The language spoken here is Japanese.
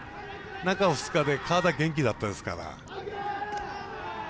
中２日で体元気だったですから。